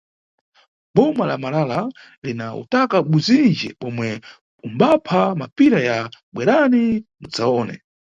Boma la Malala lina utaka buzinji bomwe umbapha mapira ya bwerani mudzawone.